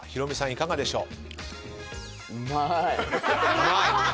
いかがでしょう？